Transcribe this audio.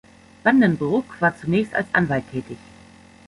Van den Broek war zunächst als Anwalt tätig.